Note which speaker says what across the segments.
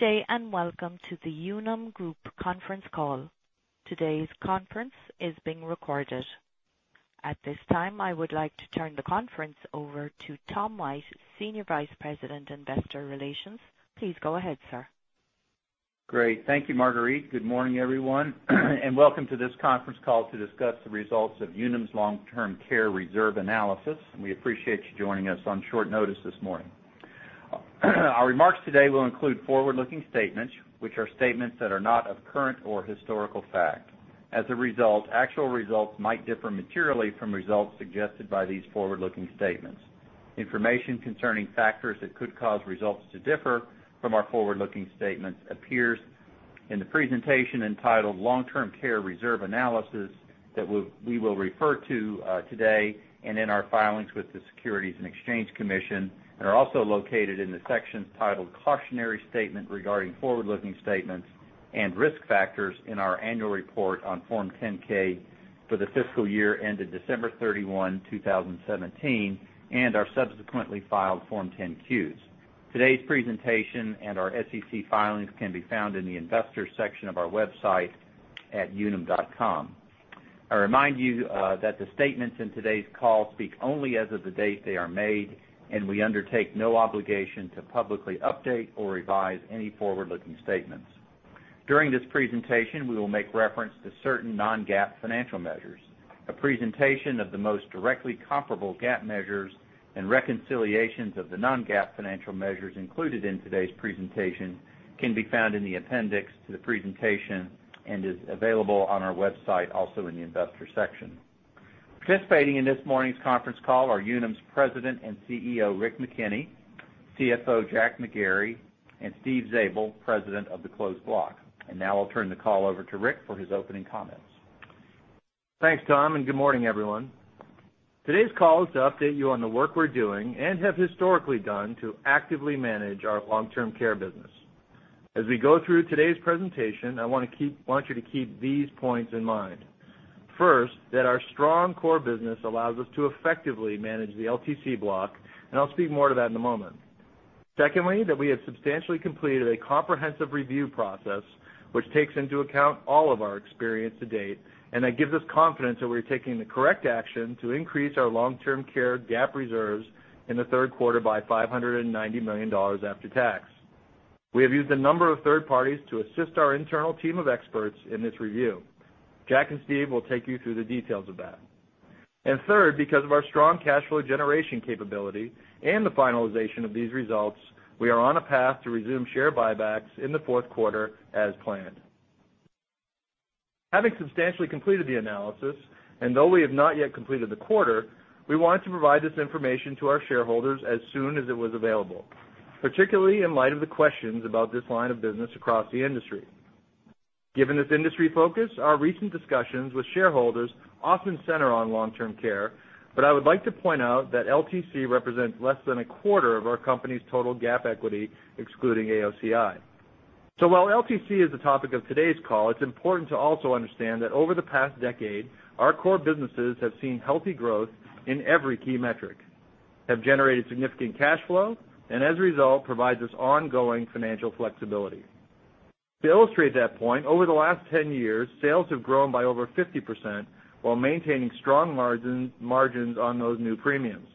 Speaker 1: Good day. Welcome to the Unum Group conference call. Today's conference is being recorded. At this time, I would like to turn the conference over to Tom White, Senior Vice President, Investor Relations. Please go ahead, sir.
Speaker 2: Great. Thank you, Marguerite. Good morning, everyone. Welcome to this conference call to discuss the results of Unum's long-term care reserve analysis. We appreciate you joining us on short notice this morning. Our remarks today will include forward-looking statements, which are statements that are not of current or historical fact. As a result, actual results might differ materially from results suggested by these forward-looking statements. Information concerning factors that could cause results to differ from our forward-looking statements appears in the presentation entitled Long-Term Care Reserve Analysis that we will refer to today and in our filings with the Securities and Exchange Commission and are also located in the section titled Cautionary Statement regarding Forward-Looking Statements and Risk Factors in our annual report on Form 10-K for the fiscal year ended December 31, 2017, and our subsequently filed Form 10-Qs. Today's presentation and our SEC filings can be found in the Investors section of our website at unum.com. I remind you that the statements in today's call speak only as of the date they are made. We undertake no obligation to publicly update or revise any forward-looking statements. During this presentation, we will make reference to certain non-GAAP financial measures. A presentation of the most directly comparable GAAP measures and reconciliations of the non-GAAP financial measures included in today's presentation can be found in the appendix to the presentation and is available on our website, also in the Investor section. Participating in this morning's conference call are Unum's President and CEO, Rick McKenney, CFO, Jack McGarry, and Steve Zabel, President of the Closed Block. Now I'll turn the call over to Rick for his opening comments.
Speaker 3: Thanks, Tom. Good morning, everyone. Today's call is to update you on the work we're doing and have historically done to actively manage our long-term care business. As we go through today's presentation, I want you to keep these points in mind. First, that our strong core business allows us to effectively manage the LTC block. I'll speak more to that in a moment. Secondly, that we have substantially completed a comprehensive review process which takes into account all of our experience to date. That gives us confidence that we're taking the correct action to increase our long-term care GAAP reserves in the third quarter by $590 million after tax. We have used a number of third parties to assist our internal team of experts in this review. Jack and Steve will take you through the details of that. Third, because of our strong cash flow generation capability and the finalization of these results, we are on a path to resume share buybacks in the fourth quarter as planned. Having substantially completed the analysis, and though we have not yet completed the quarter, we wanted to provide this information to our shareholders as soon as it was available, particularly in light of the questions about this line of business across the industry. Given this industry focus, our recent discussions with shareholders often center on long-term care, but I would like to point out that LTC represents less than a quarter of our company's total GAAP equity, excluding AOCI. While LTC is the topic of today's call, it's important to also understand that over the past decade, our core businesses have seen healthy growth in every key metric, have generated significant cash flow, and as a result, provides us ongoing financial flexibility. To illustrate that point, over the last 10 years, sales have grown by over 50% while maintaining strong margins on those new premiums.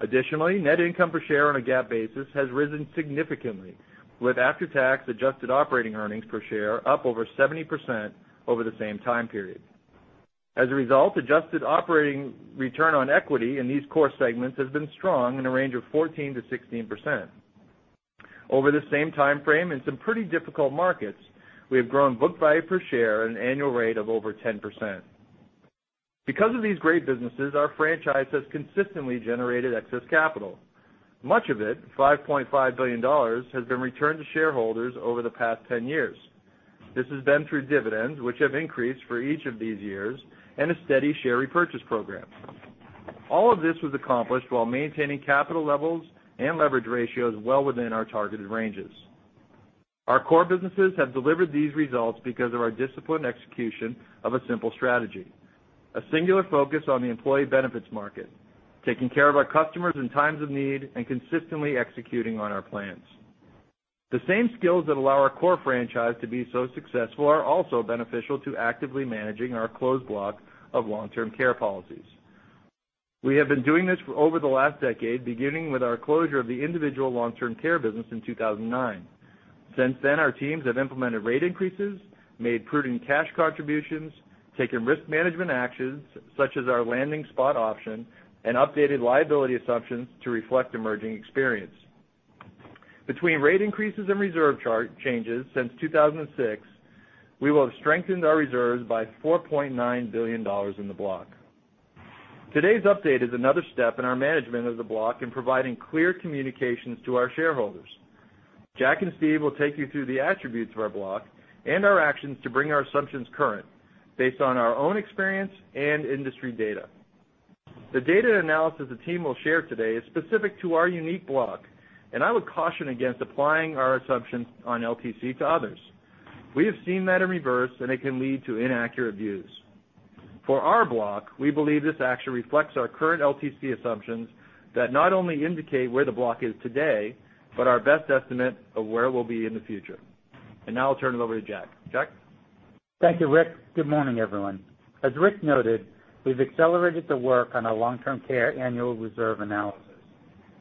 Speaker 3: Additionally, net income per share on a GAAP basis has risen significantly, with after-tax adjusted operating earnings per share up over 70% over the same time period. As a result, adjusted operating return on equity in these core segments has been strong in a range of 14%-16%. Over the same time frame, in some pretty difficult markets, we have grown book value per share at an annual rate of over 10%. Because of these great businesses, our franchise has consistently generated excess capital. Much of it, $5.5 billion, has been returned to shareholders over the past 10 years. This has been through dividends, which have increased for each of these years, and a steady share repurchase program. All of this was accomplished while maintaining capital levels and leverage ratios well within our targeted ranges. Our core businesses have delivered these results because of our disciplined execution of a simple strategy, a singular focus on the employee benefits market, taking care of our customers in times of need, and consistently executing on our plans. The same skills that allow our core franchise to be so successful are also beneficial to actively managing our closed block of long-term care policies. We have been doing this for over the last decade, beginning with our closure of the individual long-term care business in 2009. Since then, our teams have implemented rate increases, made prudent cash contributions, taken risk management actions, such as our landing spot option, and updated liability assumptions to reflect emerging experience. Between rate increases and reserve changes since 2006, we will have strengthened our reserves by $4.9 billion in the block. Today's update is another step in our management of the block in providing clear communications to our shareholders. Jack and Steve will take you through the attributes of our block and our actions to bring our assumptions current based on our own experience and industry data. The data analysis the team will share today is specific to our unique block, and I would caution against applying our assumptions on LTC to others. We have seen that in reverse, and it can lead to inaccurate views. For our block, we believe this action reflects our current LTC assumptions that not only indicate where the block is today, but our best estimate of where we'll be in the future. Now I'll turn it over to Jack. Jack?
Speaker 4: Thank you, Rick. Good morning, everyone. As Rick noted, we've accelerated the work on our long-term care annual reserve analysis.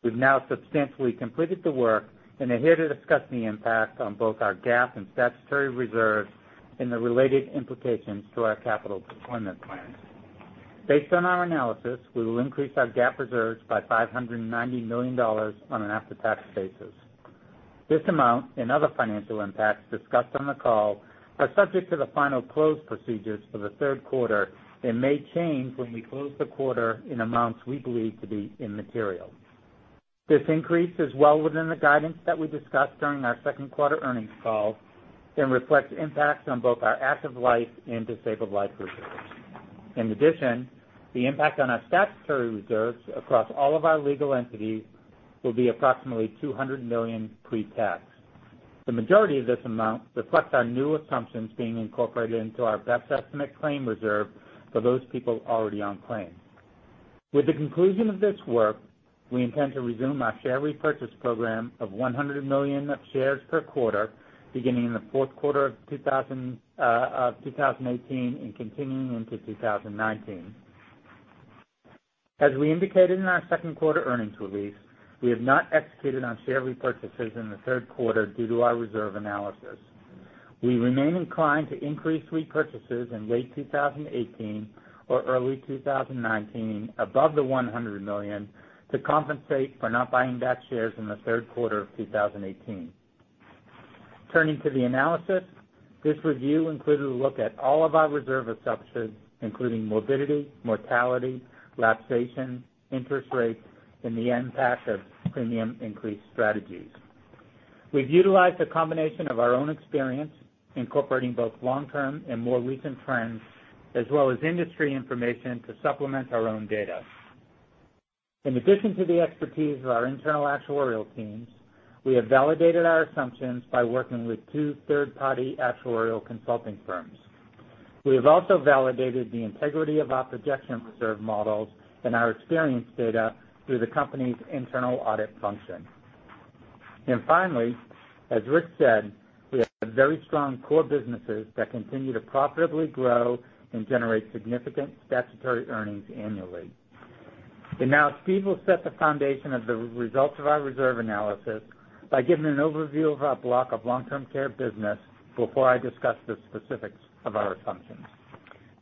Speaker 4: We've now substantially completed the work and are here to discuss the impact on both our GAAP and statutory reserves and the related implications to our capital deployment plans. Based on our analysis, we will increase our GAAP reserves by $590 million on an after-tax basis. This amount, and other financial impacts discussed on the call, are subject to the final close procedures for the third quarter and may change when we close the quarter in amounts we believe to be immaterial. This increase is well within the guidance that we discussed during our second quarter earnings call and reflects impacts on both our active life and disabled life reserves. In addition, the impact on our statutory reserves across all of our legal entities will be approximately $200 million pre-tax. The majority of this amount reflects our new assumptions being incorporated into our best estimate claim reserve for those people already on claims. With the conclusion of this work, we intend to resume our share repurchase program of 100 million shares per quarter, beginning in the fourth quarter of 2018 and continuing into 2019. As we indicated in our second quarter earnings release, we have not executed on share repurchases in the third quarter due to our reserve analysis. We remain inclined to increase repurchases in late 2018 or early 2019 above the $100 million to compensate for not buying back shares in the third quarter of 2018. Turning to the analysis, this review included a look at all of our reserve assumptions, including morbidity, mortality, lapsation, interest rates, and the impact of premium increase strategies. We've utilized a combination of our own experience, incorporating both long-term and more recent trends, as well as industry information to supplement our own data. In addition to the expertise of our internal actuarial teams, we have validated our assumptions by working with two third-party actuarial consulting firms. We have also validated the integrity of our projection reserve models and our experience data through the company's internal audit function. Finally, as Rick said, we have very strong core businesses that continue to profitably grow and generate significant statutory earnings annually. Now Steve will set the foundation of the results of our reserve analysis by giving an overview of our block of long-term care business before I discuss the specifics of our assumptions.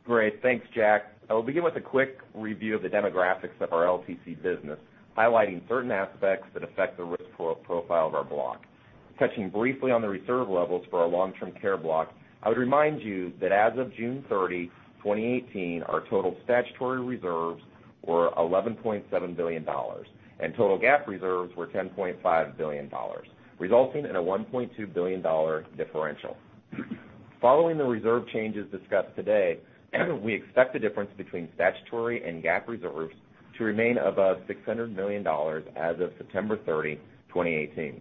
Speaker 5: Great. Thanks, Jack. I will begin with a quick review of the demographics of our LTC business, highlighting certain aspects that affect the risk profile of our block. Touching briefly on the reserve levels for our long-term care block, I would remind you that as of June 30, 2018, our total statutory reserves were $11.7 billion, and total GAAP reserves were $10.5 billion, resulting in a $1.2 billion differential. Following the reserve changes discussed today, we expect the difference between statutory and GAAP reserves to remain above $600 million as of September 30, 2018.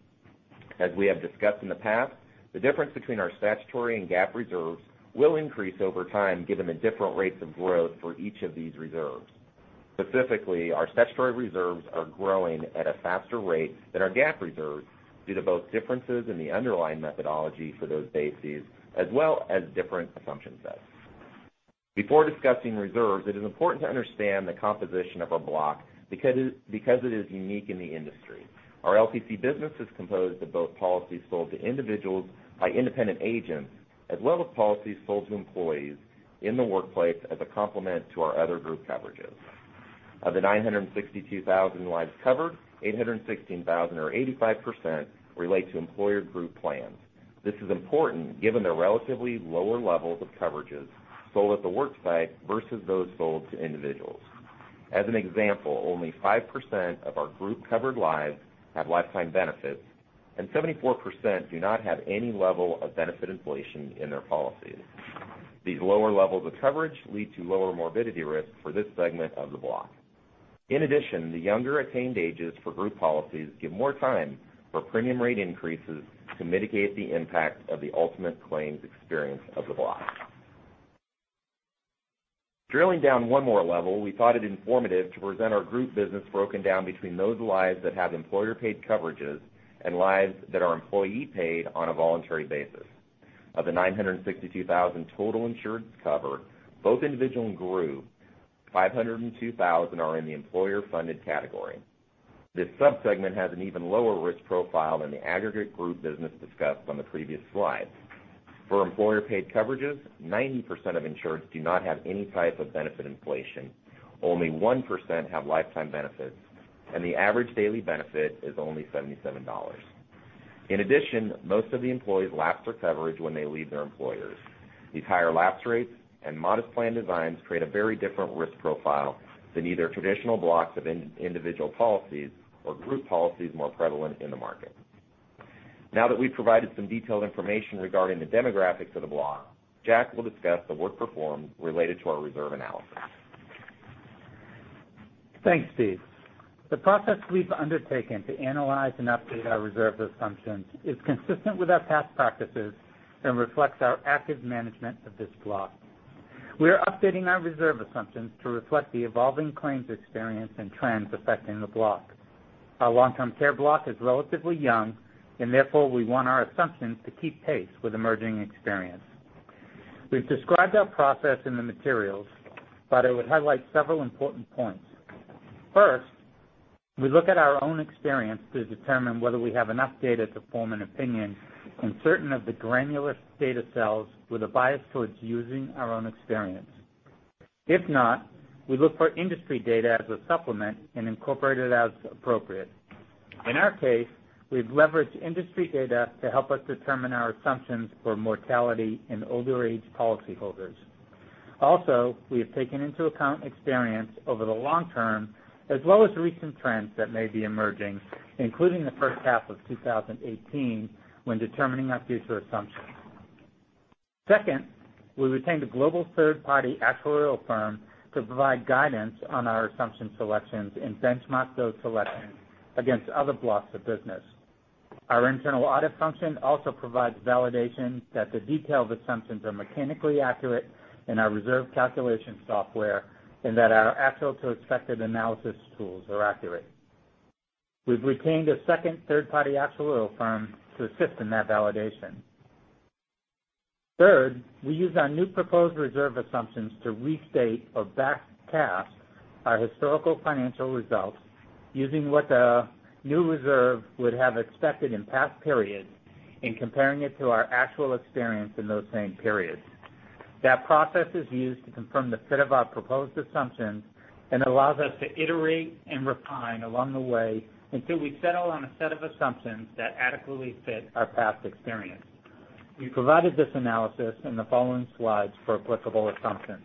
Speaker 5: As we have discussed in the past, the difference between our statutory and GAAP reserves will increase over time, given the different rates of growth for each of these reserves. Specifically, our statutory reserves are growing at a faster rate than our GAAP reserves due to both differences in the underlying methodology for those bases as well as different assumption sets. Before discussing reserves, it is important to understand the composition of our block because it is unique in the industry. Our LTC business is composed of both policies sold to individuals by independent agents, as well as policies sold to employees in the workplace as a complement to our other group coverages. Of the 962,000 lives covered, 816,000, or 85%, relate to employer group plans. This is important given the relatively lower levels of coverages sold at the worksite versus those sold to individuals. As an example, only 5% of our group-covered lives have lifetime benefits, and 74% do not have any level of benefit inflation in their policies. These lower levels of coverage lead to lower morbidity risk for this segment of the block. In addition, the younger attained ages for group policies give more time for premium rate increases to mitigate the impact of the ultimate claims experience of the block. Drilling down one more level, we thought it informative to present our group business broken down between those lives that have employer-paid coverages and lives that are employee-paid on a voluntary basis. Of the 962,000 total insureds covered, both individual and group, 502,000 are in the employer-funded category. This subsegment has an even lower risk profile than the aggregate group business discussed on the previous slide. For employer-paid coverages, 90% of insureds do not have any type of benefit inflation, only 1% have lifetime benefits, and the average daily benefit is only $77. In addition, most of the employees lapse their coverage when they leave their employers. These higher lapse rates and modest plan designs create a very different risk profile than either traditional blocks of individual policies or group policies more prevalent in the market. Now that we've provided some detailed information regarding the demographics of the block, Jack will discuss the work performed related to our reserve analysis.
Speaker 4: Thanks, Steve. The process we've undertaken to analyze and update our reserve assumptions is consistent with our past practices and reflects our active management of this block. We are updating our reserve assumptions to reflect the evolving claims experience and trends affecting the block. Our long-term care block is relatively young, and therefore, we want our assumptions to keep pace with emerging experience. We've described our process in the materials, but I would highlight several important points. First, we look at our own experience to determine whether we have enough data to form an opinion in certain of the granular data cells with a bias towards using our own experience. If not, we look for industry data as a supplement and incorporate it as appropriate. In our case, we've leveraged industry data to help us determine our assumptions for mortality in older-aged policyholders. We have taken into account experience over the long term, as well as recent trends that may be emerging, including the first half of 2018 when determining our future assumptions. Second, we retained a global third-party actuarial firm to provide guidance on our assumption selections and benchmark those selections against other blocks of business. Our internal audit function also provides validation that the detailed assumptions are mechanically accurate in our reserve calculation software and that our actual-to-expected analysis tools are accurate. We've retained a second third-party actuarial firm to assist in that validation. Third, we used our new proposed reserve assumptions to restate or back cast our historical financial results using what the new reserve would have expected in past periods and comparing it to our actual experience in those same periods. That process is used to confirm the fit of our proposed assumptions and allows us to iterate and refine along the way until we settle on a set of assumptions that adequately fit our past experience. We provided this analysis in the following slides for applicable assumptions.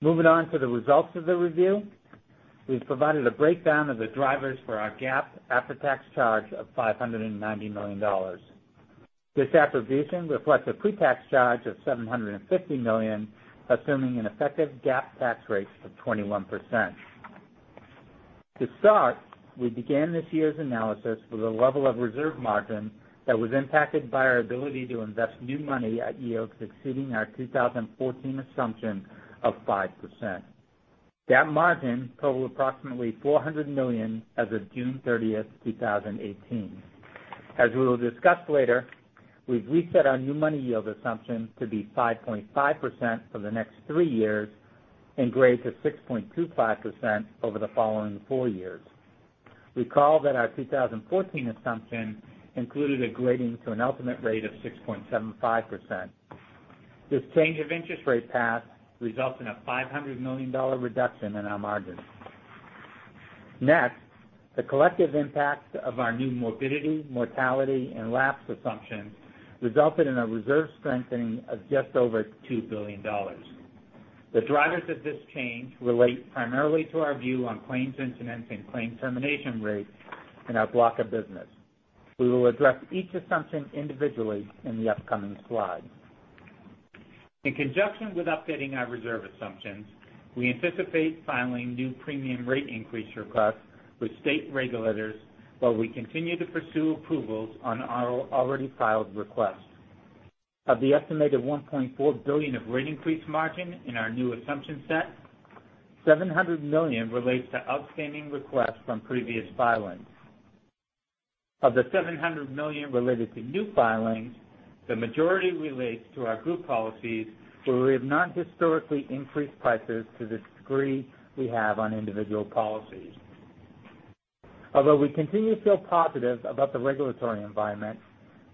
Speaker 4: Moving on to the results of the review, we've provided a breakdown of the drivers for our GAAP after-tax charge of $590 million. This attribution reflects a pre-tax charge of $750 million, assuming an effective GAAP tax rate of 21%. To start, we began this year's analysis with a level of reserve margin that was impacted by our ability to invest new money at yields exceeding our 2014 assumption of 5%. That margin totaled approximately $400 million as of June 30th, 2018. As we will discuss later, we've reset our new money yield assumption to be 5.5% for the next three years and grade to 6.25% over the following four years. Recall that our 2014 assumption included a grading to an ultimate rate of 6.75%. This change of interest rate path results in a $500 million reduction in our margin. The collective impact of our new morbidity, mortality, and lapse assumptions resulted in a reserve strengthening of just over $2 billion. The drivers of this change relate primarily to our view on claims incidence and claim termination rates in our block of business. We will address each assumption individually in the upcoming slides. In conjunction with updating our reserve assumptions, we anticipate filing new premium rate increase requests with state regulators while we continue to pursue approvals on our already filed requests. Of the estimated $1.4 billion of rate increase margin in our new assumption set, $700 million relates to outstanding requests from previous filings. Of the $700 million related to new filings, the majority relates to our group policies where we have not historically increased prices to the degree we have on individual policies. Although we continue to feel positive about the regulatory environment,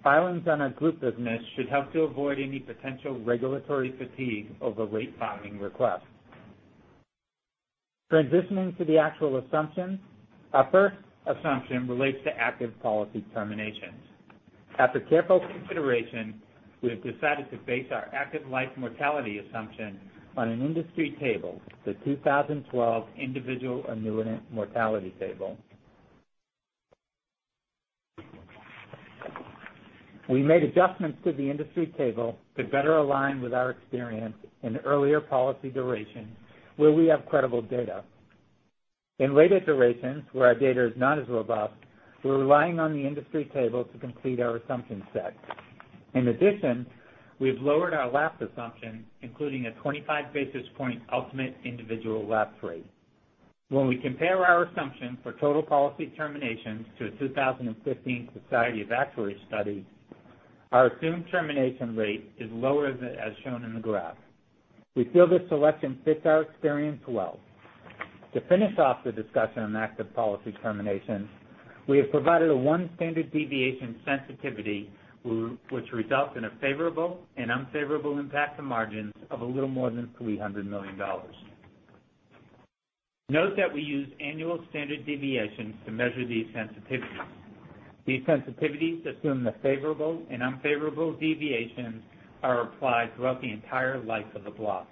Speaker 4: filings on our group business should help to avoid any potential regulatory fatigue over late filing requests. Transitioning to the actual assumptions, our first assumption relates to active policy terminations. After careful consideration, we have decided to base our active life mortality assumption on an industry table, the 2012 Individual Annuity Reserving Table. We made adjustments to the industry table to better align with our experience in earlier policy durations where we have credible data. In later durations where our data is not as robust, we're relying on the industry table to complete our assumption set. We've lowered our lapse assumptions, including a 25 basis point ultimate individual lapse rate. When we compare our assumptions for total policy terminations to a 2015 Society of Actuaries study, our assumed termination rate is lower as shown in the graph. We feel this selection fits our experience well. To finish off the discussion on active policy terminations, we have provided a one standard deviation sensitivity, which results in a favorable and unfavorable impact to margins of a little more than $300 million. Note that we use annual standard deviations to measure these sensitivities. These sensitivities assume the favorable and unfavorable deviations are applied throughout the entire life of the block.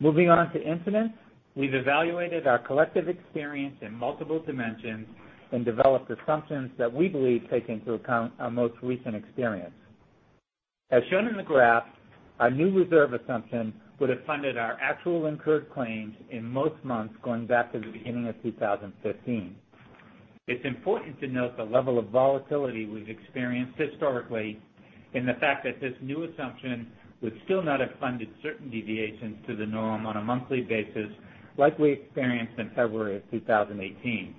Speaker 4: Moving on to incidence, we've evaluated our collective experience in multiple dimensions and developed assumptions that we believe take into account our most recent experience. As shown in the graph, our new reserve assumption would have funded our actual incurred claims in most months going back to the beginning of 2015. It's important to note the level of volatility we've experienced historically in the fact that this new assumption would still not have funded certain deviations to the norm on a monthly basis, like we experienced in February of 2018.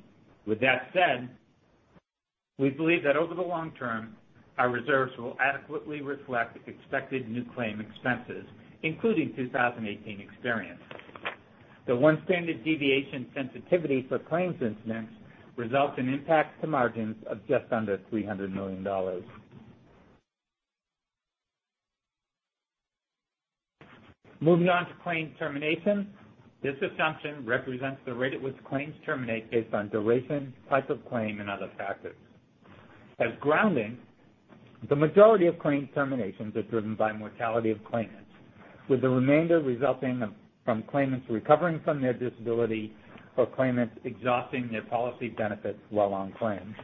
Speaker 4: We believe that over the long term, our reserves will adequately reflect expected new claim expenses, including 2018 experience. The one standard deviation sensitivity for claims incidents results in impacts to margins of just under $300 million. Moving on to claim terminations, this assumption represents the rate at which claims terminate based on duration, type of claim, and other factors. As grounding, the majority of claim terminations are driven by mortality of claimants, with the remainder resulting from claimants recovering from their disability or claimants exhausting their policy benefits while on claims.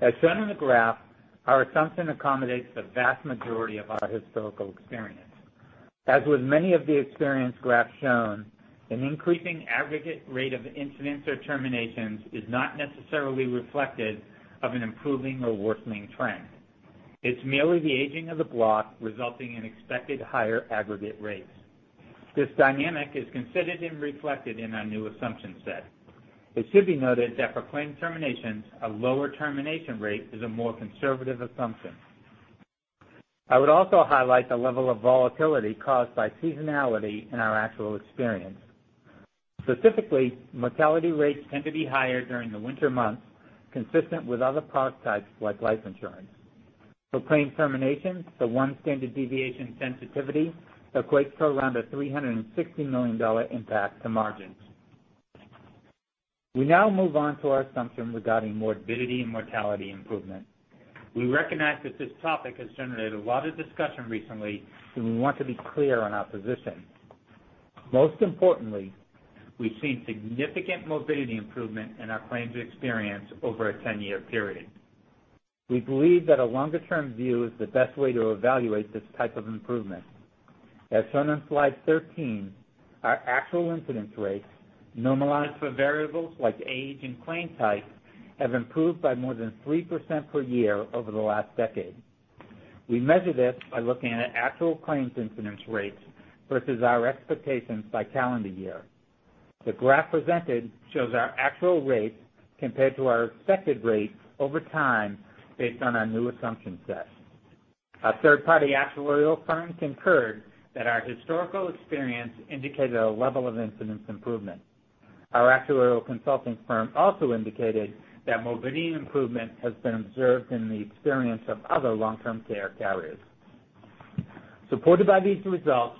Speaker 4: As shown in the graph, our assumption accommodates the vast majority of our historical experience. As with many of the experience graphs shown, an increasing aggregate rate of incidents or terminations is not necessarily reflected of an improving or worsening trend. It's merely the aging of the block resulting in expected higher aggregate rates. This dynamic is considered and reflected in our new assumption set. It should be noted that for claim terminations, a lower termination rate is a more conservative assumption. I would also highlight the level of volatility caused by seasonality in our actual experience. Specifically, mortality rates tend to be higher during the winter months, consistent with other product types like life insurance. For claim terminations, the one standard deviation sensitivity equates to around a $360 million impact to margins. We now move on to our assumption regarding morbidity and mortality improvement. We recognize that this topic has generated a lot of discussion recently. We want to be clear on our position. Most importantly, we've seen significant morbidity improvement in our claims experience over a 10-year period. We believe that a longer-term view is the best way to evaluate this type of improvement. As shown on slide 13, our actual incidence rates, normalized for variables like age and claim type, have improved by more than 3% per year over the last decade. We measure this by looking at actual claims incidence rates versus our expectations by calendar year. The graph presented shows our actual rates compared to our expected rates over time based on our new assumption set. A third-party actuarial firm concurred that our historical experience indicated a level of incidence improvement. Our actuarial consulting firm also indicated that morbidity improvement has been observed in the experience of other long-term care carriers. Supported by these results,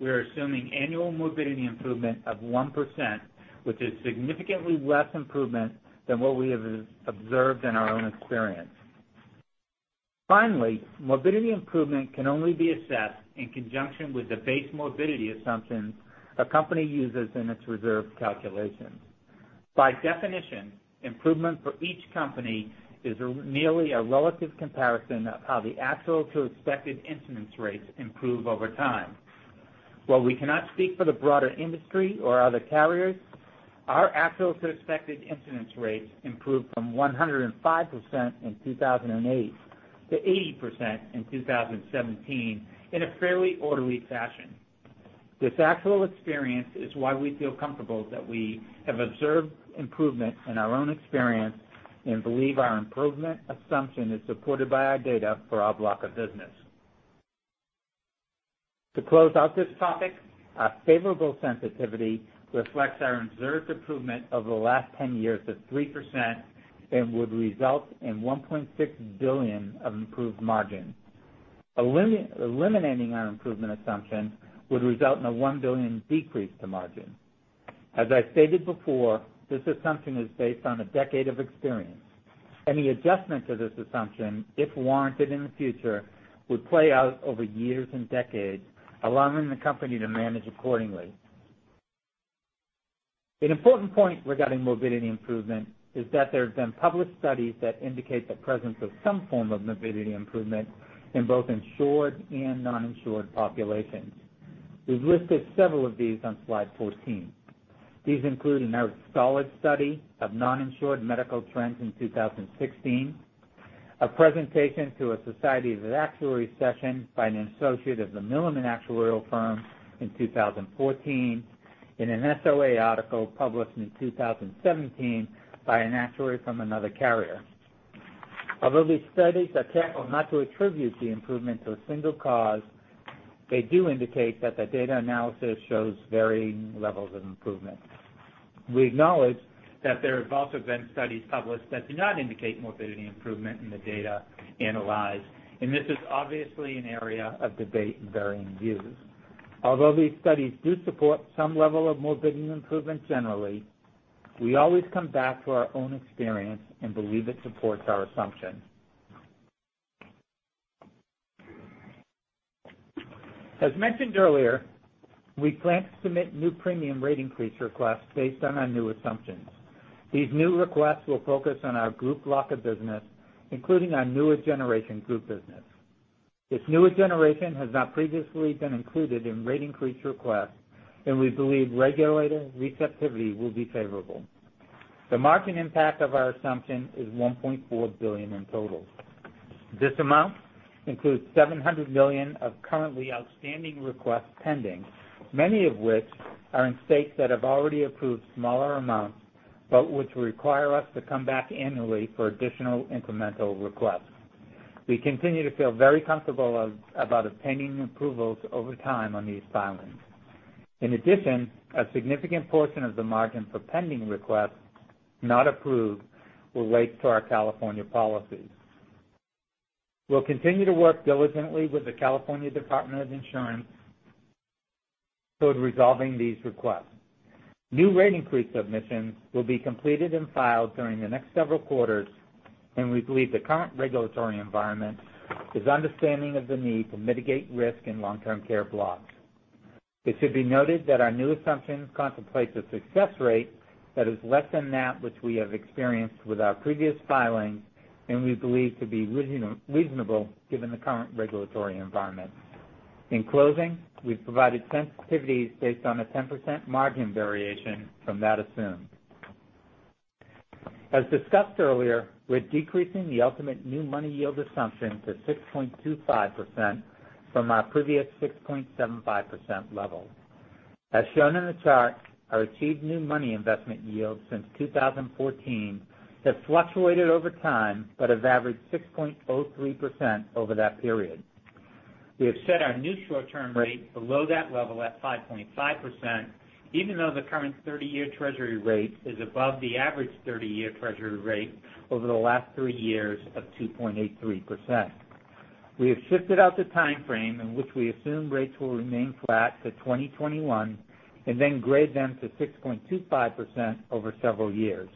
Speaker 4: we are assuming annual morbidity improvement of 1%, which is significantly less improvement than what we have observed in our own experience. Finally, morbidity improvement can only be assessed in conjunction with the base morbidity assumptions a company uses in its reserve calculations. By definition, improvement for each company is merely a relative comparison of how the actual to expected incidence rates improve over time. While we cannot speak for the broader industry or other carriers, our actual to expected incidence rates improved from 105% in 2008 to 80% in 2017 in a fairly orderly fashion. This actual experience is why we feel comfortable that we have observed improvement in our own experience and believe our improvement assumption is supported by our data for our block of business. To close out this topic, our favorable sensitivity reflects our observed improvement over the last 10 years of 3% and would result in $1.6 billion of improved margin. Eliminating our improvement assumption would result in a $1 billion decrease to margin. As I stated before, this assumption is based on a decade of experience. Any adjustment to this assumption, if warranted in the future, would play out over years and decades, allowing the company to manage accordingly. An important point regarding morbidity improvement is that there have been published studies that indicate the presence of some form of morbidity improvement in both insured and non-insured populations. We've listed several of these on slide 14. These include a solid study of non-insured medical trends in 2016, a presentation to a Society of Actuaries session by an associate of the Milliman actuarial firm in 2014, and an SOA article published in 2017 by an actuary from another carrier. Although these studies are careful not to attribute the improvement to a single cause, they do indicate that the data analysis shows varying levels of improvement. We acknowledge that there have also been studies published that do not indicate morbidity improvement in the data analyzed, and this is obviously an area of debate and varying views. These studies do support some level of morbidity improvement generally, we always come back to our own experience and believe it supports our assumption. As mentioned earlier, we plan to submit new premium rate increase requests based on our new assumptions. These new requests will focus on our group block of business, including our newer generation group business. This newer generation has not previously been included in rate increase requests, and we believe regulator receptivity will be favorable. The margin impact of our assumption is $1.4 billion in total. This amount includes $700 million of currently outstanding requests pending, many of which are in states that have already approved smaller amounts, but which require us to come back annually for additional incremental requests. We continue to feel very comfortable about obtaining approvals over time on these filings. A significant portion of the margin for pending requests not approved will relate to our California policies. We'll continue to work diligently with the California Department of Insurance toward resolving these requests. New rate increase submissions will be completed and filed during the next several quarters, and we believe the current regulatory environment is understanding of the need to mitigate risk in long-term care blocks. It should be noted that our new assumptions contemplate the success rate that is less than that which we have experienced with our previous filings, and we believe to be reasonable given the current regulatory environment. In closing, we've provided sensitivities based on a 10% margin variation from that assumed. As discussed earlier, we're decreasing the ultimate new money yield assumption to 6.25% from our previous 6.75% level. As shown in the chart, our achieved new money investment yield since 2014 has fluctuated over time but has averaged 6.03% over that period. We have set our new short-term rate below that level at 5.5%, even though the current 30-year Treasury rate is above the average 30-year Treasury rate over the last three years of 2.83%. We have shifted out the time frame in which we assume rates will remain flat to 2021, and then grade them to 6.25% over several years.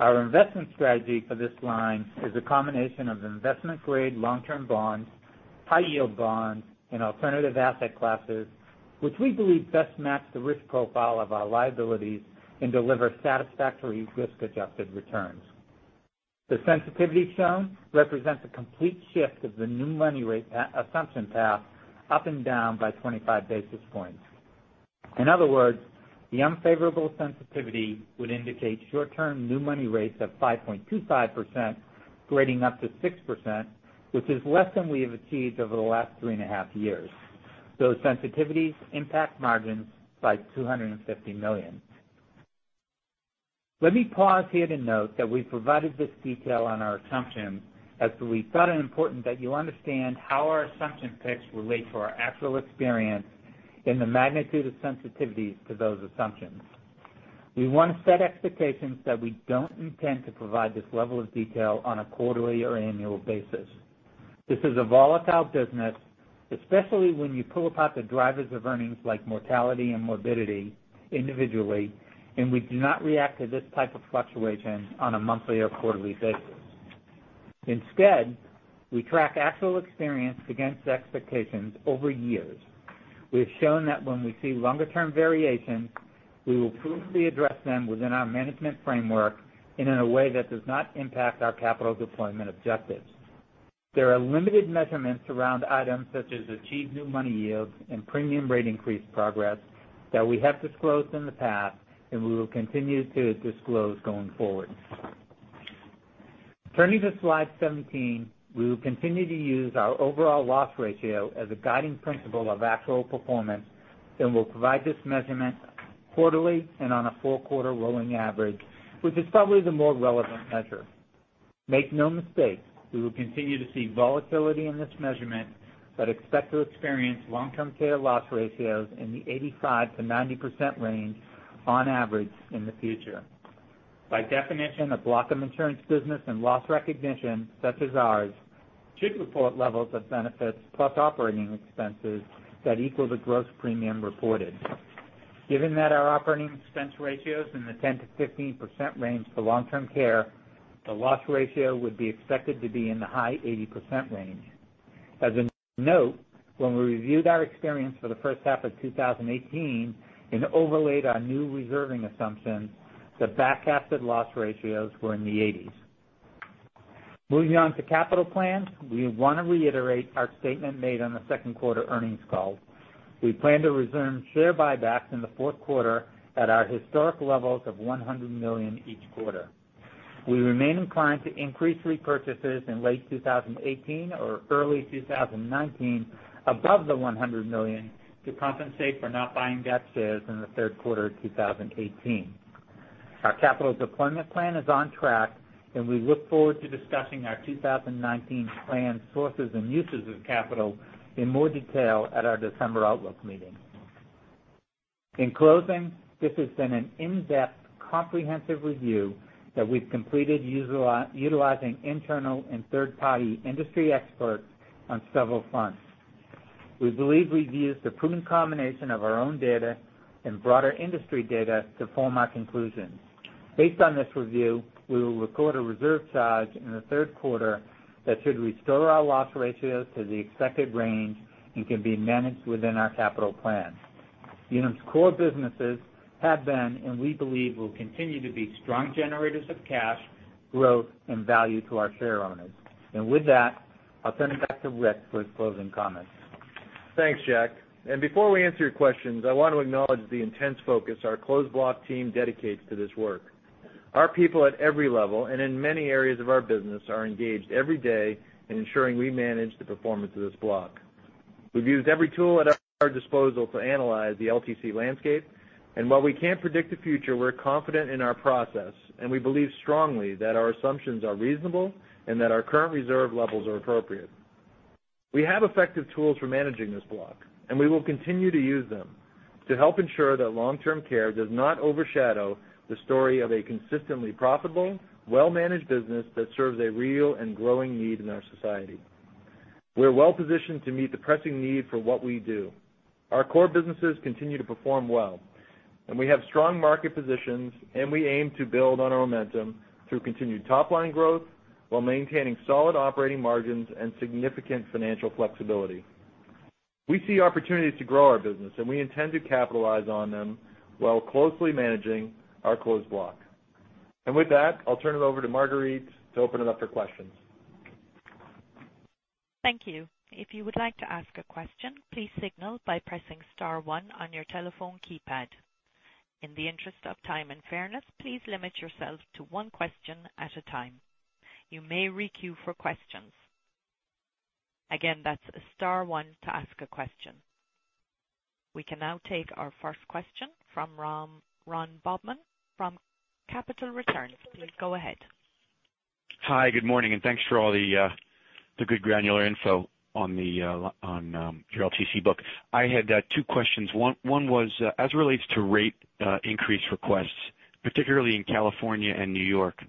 Speaker 4: Our investment strategy for this line is a combination of investment-grade long-term bonds, high-yield bonds, and alternative asset classes, which we believe best match the risk profile of our liabilities and deliver satisfactory risk-adjusted returns. The sensitivity shown represents a complete shift of the new money rate assumption path up and down by 25 basis points. In other words, the unfavorable sensitivity would indicate short-term new money rates of 5.25% grading up to 6%, which is less than we have achieved over the last three and a half years. Those sensitivities impact margins by $250 million. Let me pause here to note that we provided this detail on our assumptions as we thought it important that you understand how our assumption picks relate to our actual experience in the magnitude of sensitivities to those assumptions. We want to set expectations that we don't intend to provide this level of detail on a quarterly or annual basis. This is a volatile business, especially when you pull apart the drivers of earnings like mortality and morbidity individually, and we do not react to this type of fluctuation on a monthly or quarterly basis. Instead, we track actual experience against expectations over years. We have shown that when we see longer-term variations, we will promptly address them within our management framework and in a way that does not impact our capital deployment objectives. There are limited measurements around items such as achieved new money yields and premium rate increase progress that we have disclosed in the past, and we will continue to disclose going forward. Turning to slide 17, we will continue to use our overall loss ratio as a guiding principle of actual performance, and we'll provide this measurement quarterly and on a four-quarter rolling average, which is probably the more relevant measure. Make no mistake, we will continue to see volatility in this measurement, but expect to experience long-term care loss ratios in the 85%-90% range on average in the future. By definition, a block of insurance business and loss recognition such as ours should report levels of benefits plus operating expenses that equal the gross premium reported. Given that our operating expense ratio is in the 10%-15% range for long-term care, the loss ratio would be expected to be in the high 80% range. As a note, when we reviewed our experience for the first half of 2018 and overlaid our new reserving assumptions, the back-cast loss ratios were in the 80s. Moving on to capital plans, we want to reiterate our statement made on the second quarter earnings call. We plan to resume share buybacks in the fourth quarter at our historic levels of $100 million each quarter. We remain inclined to increase repurchases in late 2018 or early 2019 above the $100 million to compensate for not buying back shares in the third quarter of 2018. Our capital deployment plan is on track, and we look forward to discussing our 2019 planned sources and uses of capital in more detail at our December outlook meeting. In closing, this has been an in-depth, comprehensive review that we've completed utilizing internal and third-party industry experts on several fronts. We believe we've used a proven combination of our own data and broader industry data to form our conclusions. Based on this review, we will record a reserve charge in the third quarter that should restore our loss ratio to the expected range and can be managed within our capital plan. Unum's core businesses have been, and we believe will continue to be, strong generators of cash, growth, and value to our share owners. With that, I'll send it back to Rick for his closing comments.
Speaker 3: Thanks, Jack. Before we answer your questions, I want to acknowledge the intense focus our closed block team dedicates to this work. Our people at every level, and in many areas of our business, are engaged every day in ensuring we manage the performance of this block. We've used every tool at our disposal to analyze the LTC landscape, while we can't predict the future, we're confident in our process, we believe strongly that our assumptions are reasonable and that our current reserve levels are appropriate. We have effective tools for managing this block, we will continue to use them to help ensure that long-term care does not overshadow the story of a consistently profitable, well-managed business that serves a real and growing need in our society. We're well-positioned to meet the pressing need for what we do. Our core businesses continue to perform well, we have strong market positions, we aim to build on our momentum through continued top-line growth while maintaining solid operating margins and significant financial flexibility. We see opportunities to grow our business, we intend to capitalize on them while closely managing our closed block. With that, I'll turn it over to Marguerite to open it up for questions.
Speaker 1: Thank you. If you would like to ask a question, please signal by pressing *1 on your telephone keypad. In the interest of time and fairness, please limit yourself to one question at a time. You may re-queue for questions. Again, that's *1 to ask a question. We can now take our first question from Ron Bobman from Capital Returns. Please go ahead.
Speaker 6: Hi, good morning, thanks for all the good granular info on your LTC book. I had two questions. One was as it relates to rate increase requests, particularly in California and New York,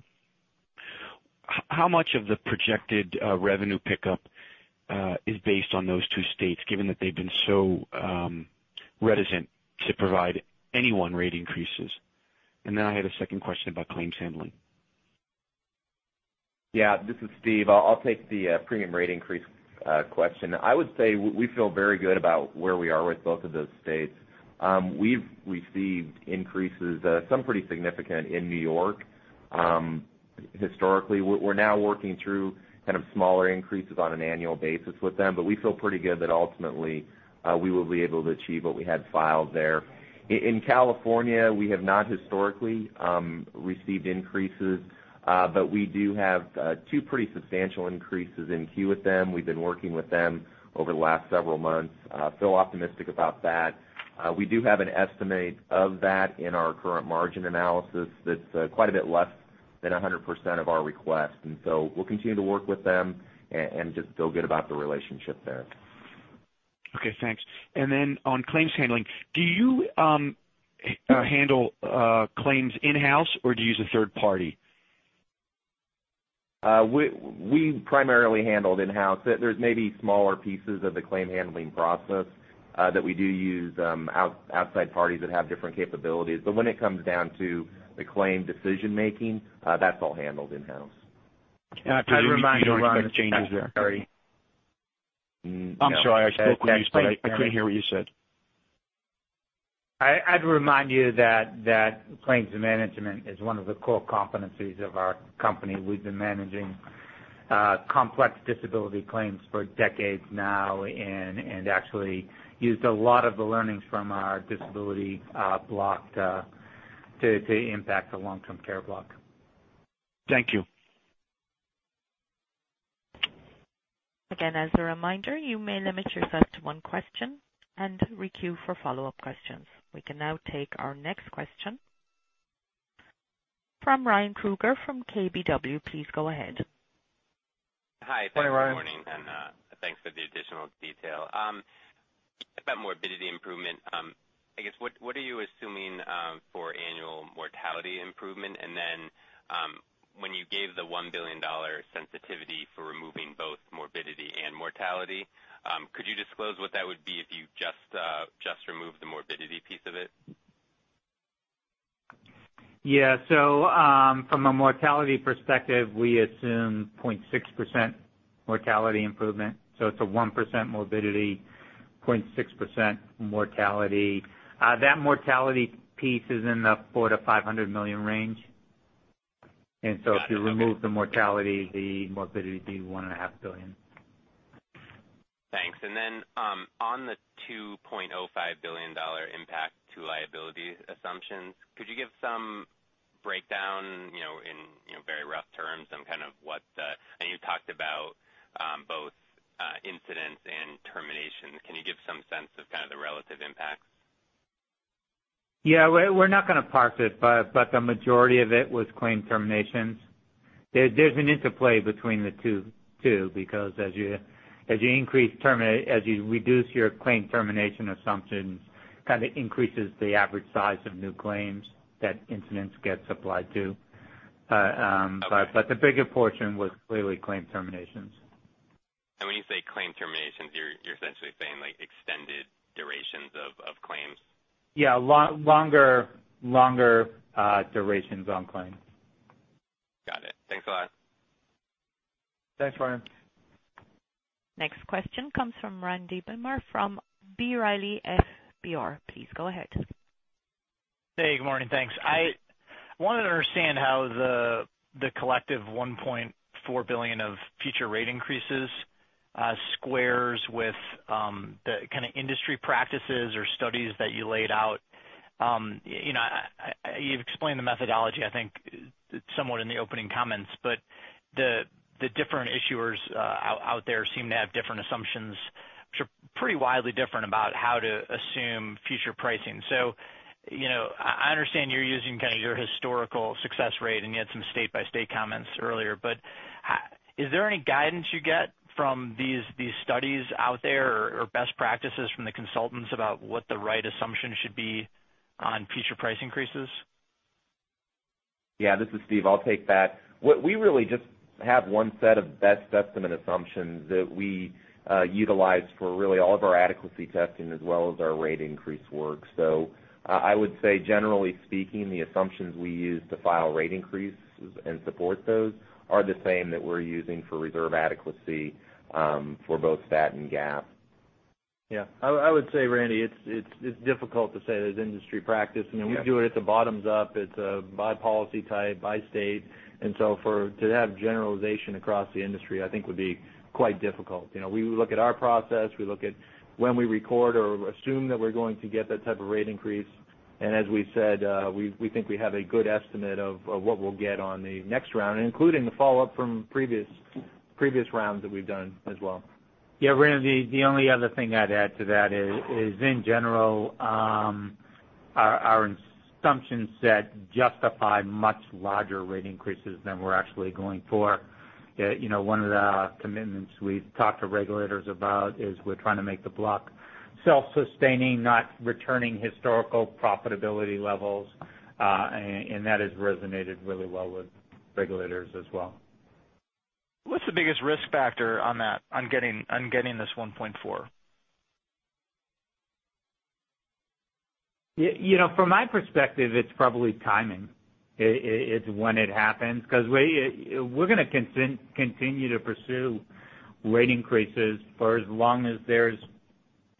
Speaker 6: how much of the projected revenue pickup is based on those two states, given that they've been so reticent to provide any rate increases? Then I had a second question about claims handling.
Speaker 5: Yeah, this is Steve. I'll take the premium rate increase question. I would say we feel very good about where we are with both of those states. We've received increases, some pretty significant in New York, historically. We're now working through kind of smaller increases on an annual basis with them, but we feel pretty good that ultimately we will be able to achieve what we had filed there. In California, we have not historically received increases, but we do have two pretty substantial increases in queue with them. We've been working with them over the last several months. Feel optimistic about that. We do have an estimate of that in our current margin analysis that's quite a bit less than 100% of our request. We'll continue to work with them and just feel good about the relationship there.
Speaker 6: Okay, thanks. On claims handling, do you handle claims in-house or do you use a third party?
Speaker 5: We primarily handle it in-house. There's maybe smaller pieces of the claim handling process that we do use outside parties that have different capabilities. When it comes down to the claim decision-making, that's all handled in-house.
Speaker 4: I'd remind you, Ron.
Speaker 6: Do you expect changes there?
Speaker 5: No.
Speaker 6: I'm sorry I spoke with you, Steve. I couldn't hear what you said.
Speaker 4: I'd remind you that claims management is one of the core competencies of our company. We've been managing complex disability claims for decades now and actually used a lot of the learnings from our disability block to impact the long-term care block.
Speaker 6: Thank you.
Speaker 1: Again, as a reminder, you may limit yourself to one question and re-queue for follow-up questions. We can now take our next question from Ryan Krueger from KBW. Please go ahead.
Speaker 7: Hi.
Speaker 6: Hi, Ryan.
Speaker 7: Good morning. Thanks for the additional detail. About morbidity improvement, I guess, what are you assuming for annual mortality improvement? When you gave the $1 billion sensitivity for removing both morbidity and mortality, could you disclose what that would be if you just removed the morbidity piece of it?
Speaker 4: Yeah. From a mortality perspective, we assume 0.6% mortality improvement, so it's a 1% morbidity, 0.6% mortality. That mortality piece is in the 4 to $500 million range. If you remove the mortality, the morbidity would be $1.5 billion.
Speaker 7: Thanks. Then, on the $2.5 billion impact to liability assumptions, could you give some breakdown in very rough terms, some kind of I know you talked about both incidents and terminations. Can you give some sense of kind of the relative impacts?
Speaker 4: Yeah, we're not going to parse it, the majority of it was claim terminations. There's an interplay between the two, because as you reduce your claim termination assumptions, kind of increases the average size of new claims that incidents get supplied to. Okay. The bigger portion was clearly claim terminations. When you say claim terminations, you're essentially saying extended durations of claims?
Speaker 7: Yeah, longer durations on claims.
Speaker 4: Got it. Thanks a lot.
Speaker 3: Thanks, Ryan.
Speaker 1: Next question comes from Randy Binner from B. Riley Securities. Please go ahead.
Speaker 8: Hey, good morning. Thanks. I wanted to understand how the collective $1.4 billion of future rate increases squares with the kind of industry practices or studies that you laid out. You've explained the methodology, I think, somewhat in the opening comments, but the different issuers out there seem to have different assumptions, which are pretty widely different about how to assume future pricing. I understand you're using kind of your historical success rate, and you had some state-by-state comments earlier, but is there any guidance you get from these studies out there or best practices from the consultants about what the right assumption should be on future price increases?
Speaker 5: Yeah, this is Steve. I'll take that. We really just have one set of best estimate assumptions that we utilize for really all of our adequacy testing as well as our rate increase work. I would say, generally speaking, the assumptions we use to file rate increases and support those are the same that we're using for reserve adequacy for both stat and GAAP.
Speaker 3: Yeah. I would say, Randy, it's difficult to say there's industry practice.
Speaker 8: Yeah.
Speaker 3: We do it at the bottoms up. It's by policy type, by state. To have generalization across the industry, I think, would be quite difficult. We look at our process. We look at when we record or assume that we're going to get that type of rate increase. As we said, we think we have a good estimate of what we'll get on the next round, including the follow-up from previous rounds that we've done as well.
Speaker 4: Yeah, Randy, the only other thing I'd add to that is, in general, our assumption set justify much larger rate increases than we're actually going for. One of the commitments we've talked to regulators about is we're trying to make the block self-sustaining, not returning historical profitability levels. That has resonated really well with regulators as well.
Speaker 8: What's the biggest risk factor on that, on getting this 1.4?
Speaker 4: From my perspective, it's probably timing. It's when it happens, because we're going to continue to pursue rate increases for as long as there's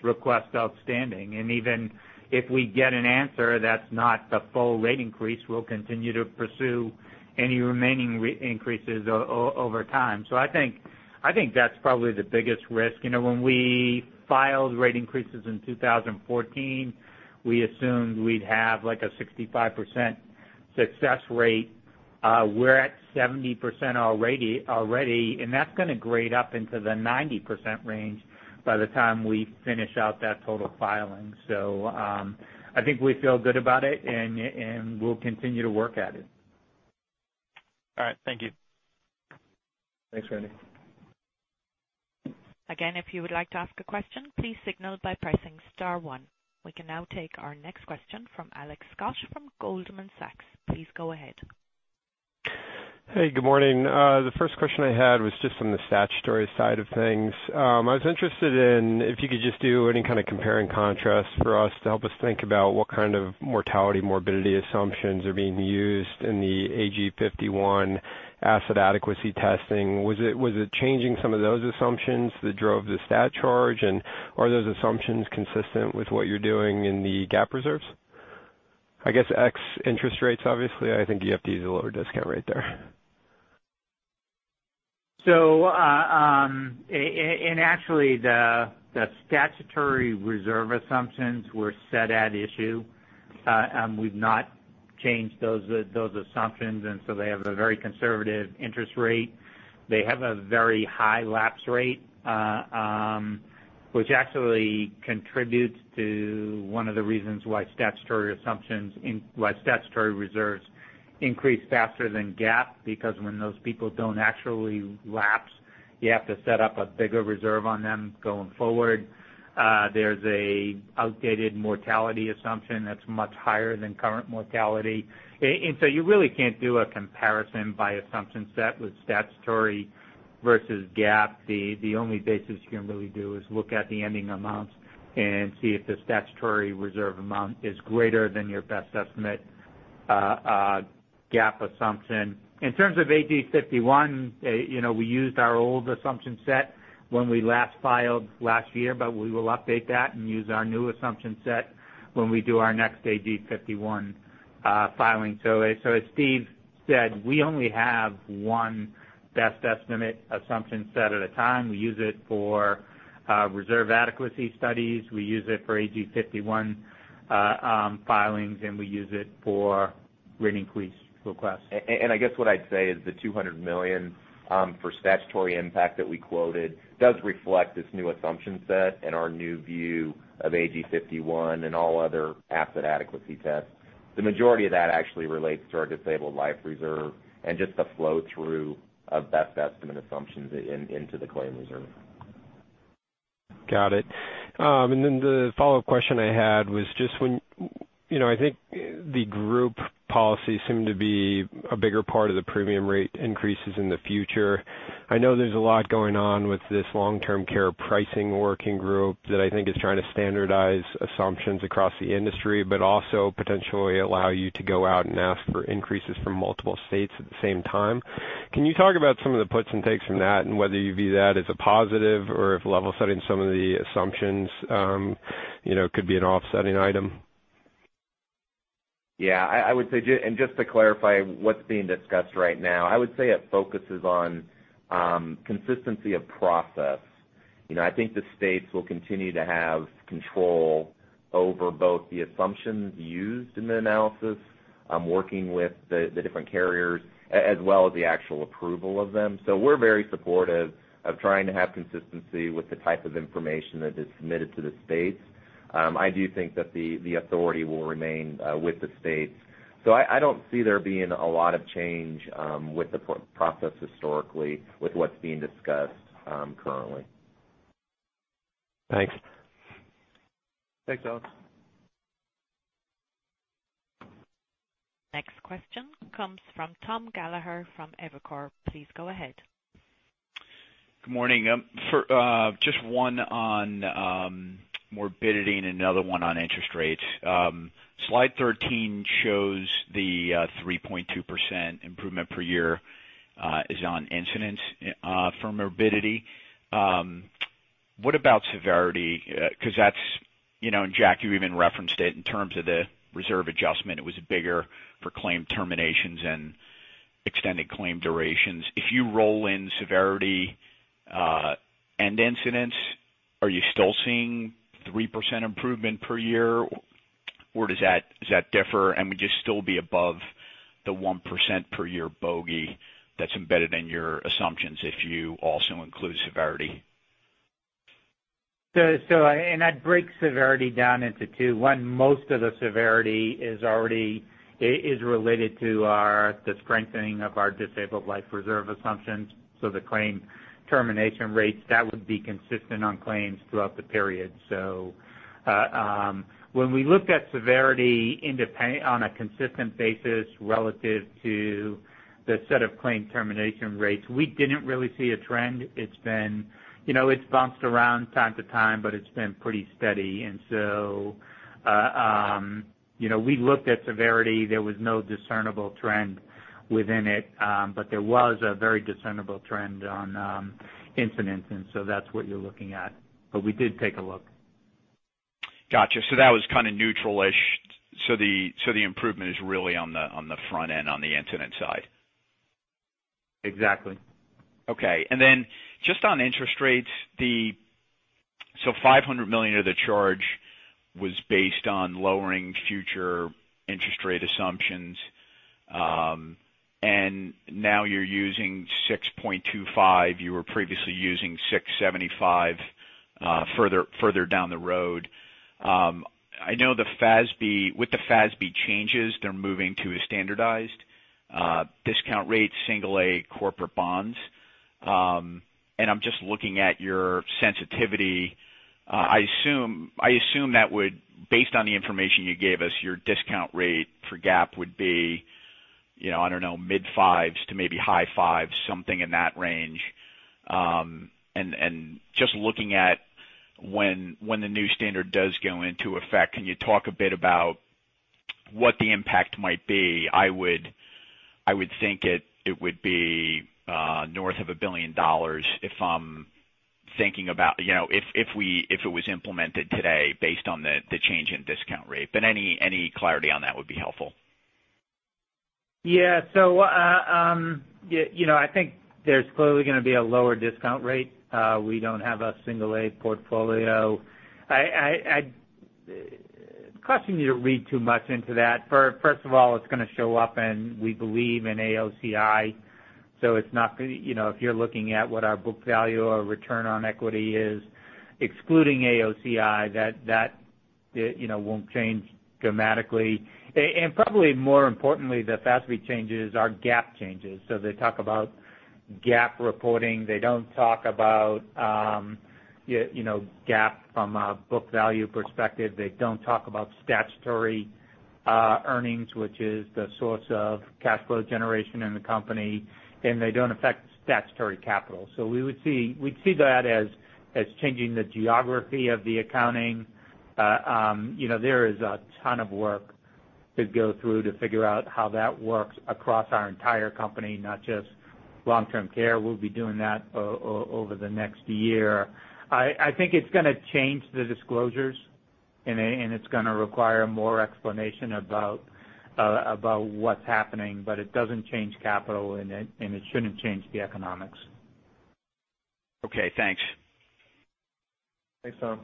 Speaker 4: requests outstanding. Even if we get an answer that's not the full rate increase, we'll continue to pursue any remaining rate increases over time. I think that's probably the biggest risk. When we filed rate increases in 2014, we assumed we'd have a 65% success rate. We're at 70% already, and that's going to grade up into the 90% range by the time we finish out that total filing. I think we feel good about it, and we'll continue to work at it.
Speaker 8: All right. Thank you.
Speaker 3: Thanks, Randy.
Speaker 1: Again, if you would like to ask a question, please signal by pressing star one. We can now take our next question from Alex Scott from Goldman Sachs. Please go ahead.
Speaker 9: Hey, good morning. The first question I had was just on the statutory side of things. I was interested in if you could just do any kind of compare and contrast for us to help us think about what kind of mortality morbidity assumptions are being used in the AG 51 asset adequacy testing. Was it changing some of those assumptions that drove the stat charge? Are those assumptions consistent with what you're doing in the GAAP reserves? I guess X interest rates, obviously. I think you have to use a lower discount rate there.
Speaker 4: Actually the statutory reserve assumptions were set at issue. We've not changed those assumptions. They have a very conservative interest rate. They have a very high lapse rate, which actually contributes to one of the reasons why statutory reserves increase faster than GAAP because when those people don't actually lapse, you have to set up a bigger reserve on them going forward. There's an outdated mortality assumption that's much higher than current mortality. You really can't do a comparison by assumption set with statutory versus GAAP. The only basis you can really do is look at the ending amounts and see if the statutory reserve amount is greater than your best estimate GAAP assumption. In terms of AG 51, we used our old assumption set when we last filed last year, but we will update that and use our new assumption set when we do our next AG 51 filing. As Steve said, we only have one best estimate assumption set at a time. We use it for reserve adequacy studies, we use it for AG 51 filings, and we use it for rate increase requests.
Speaker 5: I guess what I'd say is the $200 million for statutory impact that we quoted does reflect this new assumption set and our new view of AG 51 and all other asset adequacy tests. The majority of that actually relates to our disabled life reserve and just the flow-through of best estimate assumptions into the claim reserve.
Speaker 9: Got it. Then the follow-up question I had was just when I think the group policy seemed to be a bigger part of the premium rate increases in the future. I know there's a lot going on with this long-term care pricing working group that I think is trying to standardize assumptions across the industry, but also potentially allow you to go out and ask for increases from multiple states at the same time. Can you talk about some of the puts and takes from that and whether you view that as a positive or if level setting some of the assumptions could be an offsetting item?
Speaker 5: Yeah. Just to clarify what's being discussed right now, I would say it focuses on consistency of process. I think the states will continue to have control over both the assumptions used in the analysis, working with the different carriers, as well as the actual approval of them. We're very supportive of trying to have consistency with the type of information that is submitted to the states. I do think that the authority will remain with the states. I don't see there being a lot of change with the process historically with what's being discussed currently.
Speaker 9: Thanks.
Speaker 3: Thanks, Alex.
Speaker 1: Next question comes from Thomas Gallagher from Evercore. Please go ahead.
Speaker 10: Good morning. Just one on morbidity and another one on interest rates. Slide 13 shows the 3.2% improvement per year is on incidence for morbidity. What about severity? Jack, you even referenced it in terms of the reserve adjustment. It was bigger for claim terminations and extended claim durations. If you roll in severity and incidence, are you still seeing 3% improvement per year or does that differ? Would you still be above the 1% per year bogey that's embedded in your assumptions if you also include severity?
Speaker 4: I'd break severity down into two. One, most of the severity is related to the strengthening of our disabled life reserve assumptions. The claim termination rates, that would be consistent on claims throughout the period. When we looked at severity on a consistent basis relative to the set of claim termination rates, we didn't really see a trend. It's bounced around time to time, but it's been pretty steady. We looked at severity. There was no discernible trend within it. There was a very discernible trend on incidence, that's what you're looking at. We did take a look.
Speaker 10: Got you. That was kind of neutral-ish. The improvement is really on the front end, on the incident side.
Speaker 4: Exactly.
Speaker 10: Just on interest rates, $500 million of the charge was based on lowering future interest rate assumptions. Now you're using 6.25. You were previously using 675 further down the road. I know with the FASB changes, they're moving to a standardized discount rate, single A corporate bonds. I'm just looking at your sensitivity. I assume that based on the information you gave us, your discount rate for GAAP would be, I don't know, mid-fives to maybe high fives, something in that range. Just looking at when the new standard does go into effect, can you talk a bit about what the impact might be? I would think it would be north of $1 billion if it was implemented today based on the change in discount rate. Any clarity on that would be helpful.
Speaker 4: Yeah. I think there's clearly going to be a lower discount rate. We don't have a single A portfolio. I'd caution you to read too much into that. First of all, it's going to show up in, we believe, in AOCI, so if you're looking at what our book value or return on equity is, excluding AOCI, that won't change dramatically. Probably more importantly, the FASB changes are GAAP changes. They talk about GAAP reporting. They don't talk about GAAP from a book value perspective. They don't talk about statutory earnings, which is the source of cash flow generation in the company, and they don't affect statutory capital. We'd see that as changing the geography of the accounting. There is a ton of work to go through to figure out how that works across our entire company, not just long-term care. We'll be doing that over the next year. I think it's going to change the disclosures, and it's going to require more explanation about what's happening, but it doesn't change capital, and it shouldn't change the economics.
Speaker 10: Okay, thanks.
Speaker 3: Thanks, Tom.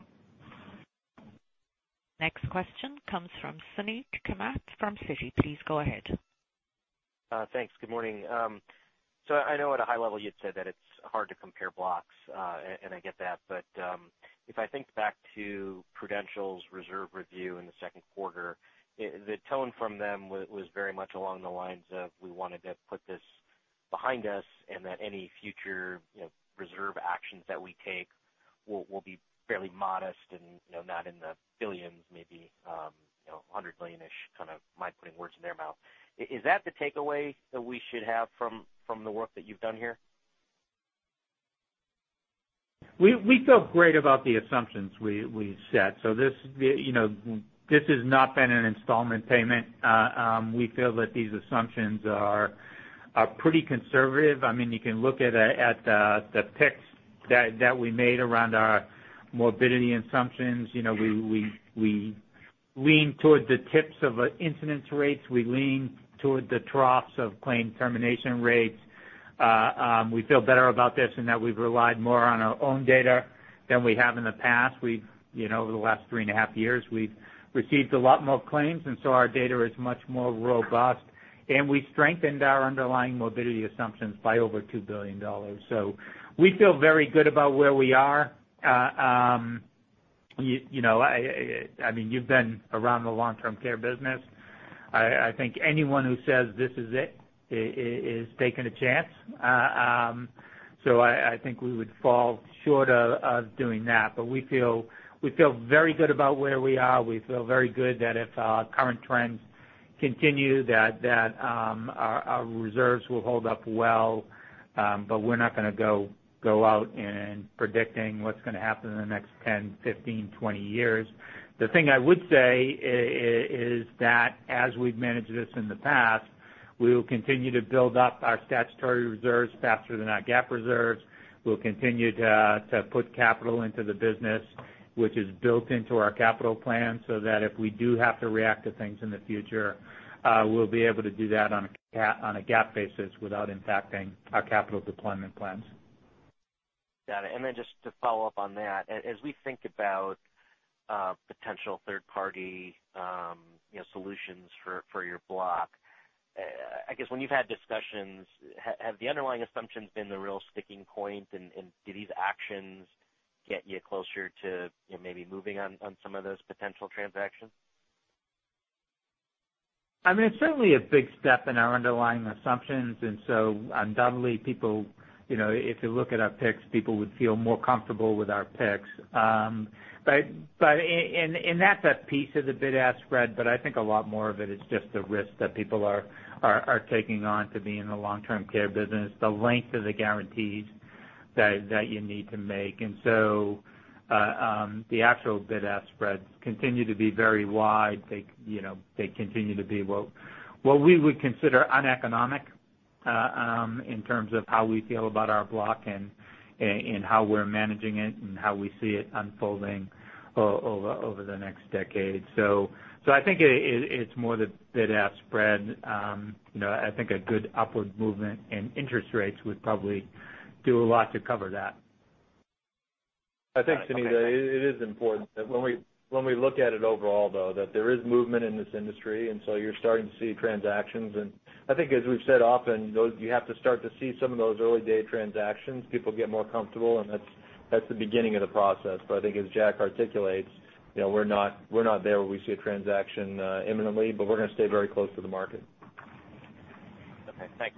Speaker 1: Next question comes from Suneet Kamath from Citi. Please go ahead.
Speaker 11: Thanks. Good morning. I know at a high level you had said that it's hard to compare blocks, and I get that. If I think back to Prudential's reserve review in the second quarter, the tone from them was very much along the lines of we wanted to put this behind us and that any future reserve actions that we take will be fairly modest and not in the $billions, maybe $100 million-ish, kind of my putting words in their mouth. Is that the takeaway that we should have from the work that you've done here?
Speaker 4: We feel great about the assumptions we've set. This has not been an installment payment. We feel that these assumptions are pretty conservative. You can look at the picks that we made around our morbidity assumptions. We lean toward the tips of incidence rates. We lean toward the troughs of claim termination rates. We feel better about this in that we've relied more on our own data than we have in the past. Over the last three and a half years, we've received a lot more claims, our data is much more robust, and we strengthened our underlying morbidity assumptions by over $2 billion. We feel very good about where we are. You've been around the long-term care business. I think anyone who says this is it is taking a chance. I think we would fall short of doing that. We feel very good about where we are. We feel very good that if our current trends continue, that our reserves will hold up well. We're not going to go out in predicting what's going to happen in the next 10, 15, 20 years. The thing I would say is that as we've managed this in the past, we will continue to build up our statutory reserves faster than our GAAP reserves. We'll continue to put capital into the business, which is built into our capital plan, so that if we do have to react to things in the future, we'll be able to do that on a GAAP basis without impacting our capital deployment plans.
Speaker 11: Got it. Just to follow up on that, as we think about potential third-party solutions for your block, when you've had discussions, have the underlying assumptions been the real sticking point, and do these actions get you closer to maybe moving on some of those potential transactions?
Speaker 4: It's certainly a big step in our underlying assumptions, undoubtedly, if you look at our picks, people would feel more comfortable with our picks. That's a piece of the bid-ask spread, I think a lot more of it is just the risk that people are taking on to be in the long-term care business, the length of the guarantees that you need to make. The actual bid-ask spreads continue to be very wide. They continue to be what we would consider uneconomic in terms of how we feel about our block and how we're managing it and how we see it unfolding over the next decade. I think it's more the bid-ask spread. I think a good upward movement in interest rates would probably do a lot to cover that.
Speaker 3: I think, Suneet, it is important that when we look at it overall, though, that there is movement in this industry, so you're starting to see transactions. I think as we've said often, you have to start to see some of those early-day transactions. People get more comfortable, and that's the beginning of the process. I think as Jack articulates, we're not there where we see a transaction imminently, but we're going to stay very close to the market.
Speaker 11: Okay, thanks.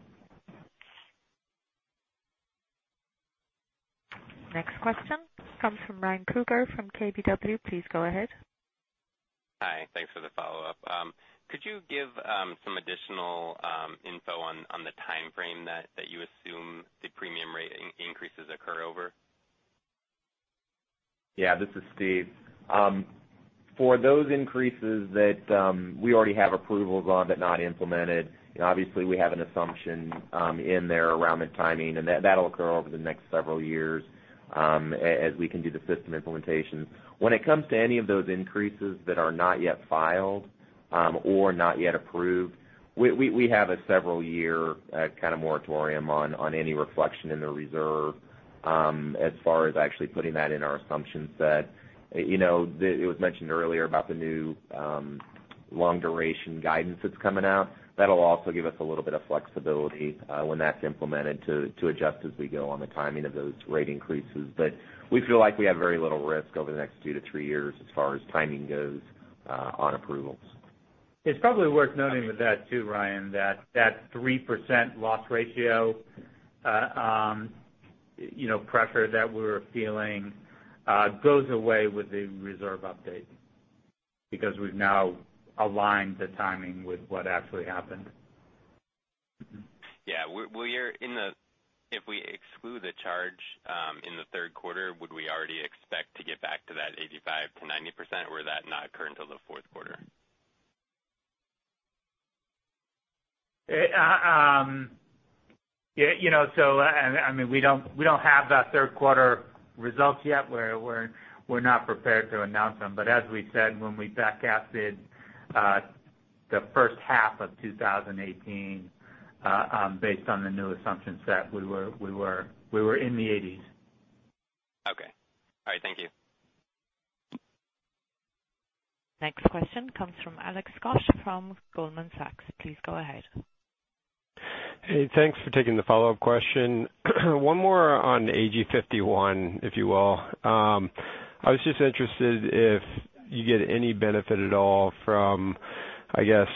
Speaker 1: Next question comes from Ryan Krueger from KBW. Please go ahead.
Speaker 7: Hi. Thanks for the follow-up. Could you give some additional info on the timeframe that you assume the premium rate increases occur over?
Speaker 5: Yeah, this is Steve. For those increases that we already have approvals on but not implemented, obviously, we have an assumption in there around the timing, and that'll occur over the next several years as we can do the system implementation. When it comes to any of those increases that are not yet filed or not yet approved, we have a several year kind of moratorium on any reflection in the reserve as far as actually putting that in our assumption set. It was mentioned earlier about the new long-duration guidance that's coming out. That'll also give us a little bit of flexibility when that's implemented to adjust as we go on the timing of those rate increases. We feel like we have very little risk over the next 2-3 years as far as timing goes on approvals.
Speaker 4: It's probably worth noting with that too, Ryan, that that 3% loss ratio pressure that we're feeling goes away with the reserve update because we've now aligned the timing with what actually happened.
Speaker 7: Yeah. If we exclude the charge in the third quarter, would we already expect to get back to that 85%-90%, or would that not occur until the fourth quarter?
Speaker 4: We don't have that third quarter results yet. We're not prepared to announce them. As we said, when we backcast it the first half of 2018, based on the new assumption set, we were in the 80s.
Speaker 7: Okay. All right. Thank you.
Speaker 1: Next question comes from Alex Scott from Goldman Sachs. Please go ahead.
Speaker 9: Hey, thanks for taking the follow-up question. One more on AG 51, if you will. I was just interested if you get any benefit at all from, I guess,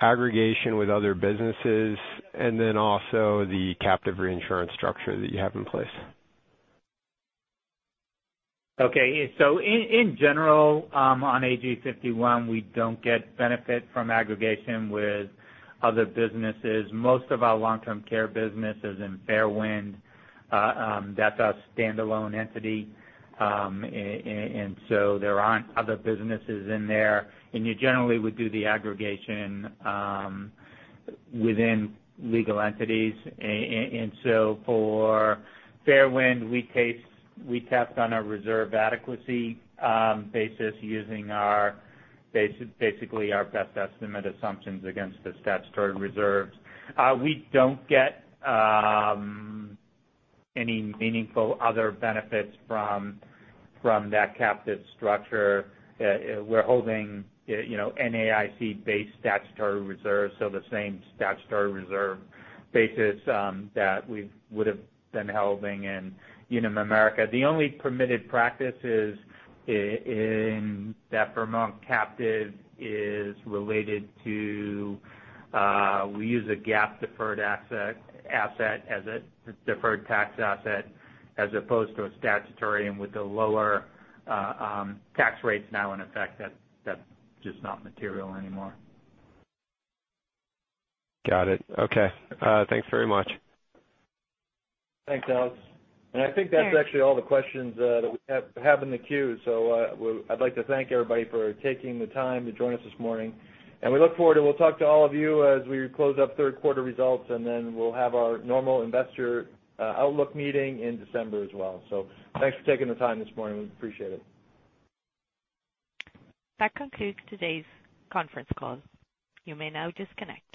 Speaker 9: aggregation with other businesses, and then also the captive reinsurance structure that you have in place.
Speaker 4: In general, on AG 51, we don't get benefit from aggregation with other businesses. Most of our long-term care business is in Fairwind. That's a standalone entity. There aren't other businesses in there. You generally would do the aggregation within legal entities. For Fairwind, we test on a reserve adequacy basis using basically our best estimate assumptions against the statutory reserves. We don't get any meaningful other benefits from that captive structure. We're holding NAIC-based statutory reserves, the same statutory reserve basis that we would've been holding in Unum America. The only permitted practice in that Vermont captive is related to, we use a GAAP deferred tax asset as opposed to a statutory. With the lower tax rates now in effect, that's just not material anymore.
Speaker 9: Got it. Thanks very much.
Speaker 3: Thanks, Alex. I think that's actually all the questions that we have in the queue. I'd like to thank everybody for taking the time to join us this morning, and we look forward and we'll talk to all of you as we close up third quarter results, and then we'll have our normal investor outlook meeting in December as well. Thanks for taking the time this morning. We appreciate it.
Speaker 1: That concludes today's conference call. You may now disconnect.